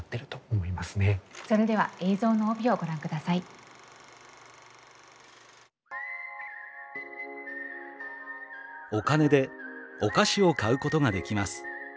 「お金でお菓子を買うことができます」。